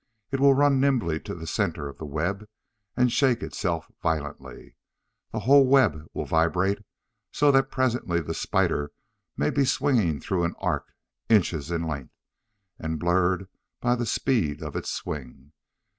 It will run nimbly to the center of the web and shake itself violently. The whole web will vibrate, so that presently the spider may be swinging through an arc inches in length, and blurred by the speed of its swing.